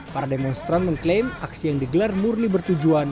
para demonstran mengklaim aksi yang digelar murni bertujuan